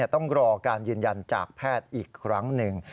ต้องรอการยืนยันจากแพทย์อีกครั้งหนึ่ง